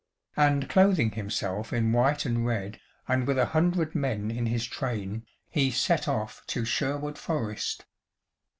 And clothing himself in white and red, and with a hundred men in his train, he set off to Sherwood Forest.